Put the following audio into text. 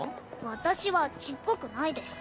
私はちっこくないです。